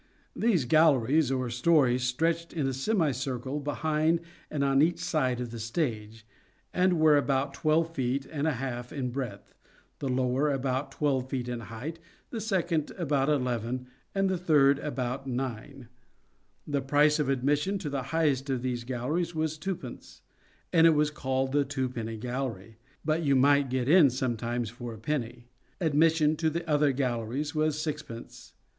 These galleries, or stories, stretched in a semicircle behind and on each side of the stage, and were about twelve feet and a half in breadth, the lower about twelve feet in height the second about eleven, and the third about nine. The price of admission to the highest of these galleries was twopence, and it was called the twopenny gallery, but you might get in sometimes for a penny. Admission to the other SHAKESPEAREAN THEATRES 15 galleries was sixpence.